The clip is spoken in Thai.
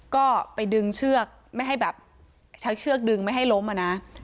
ก็ไปดึงเชือกไม่ให้แบบชักเชือกดึงไม่ให้ล้มอ่ะนะ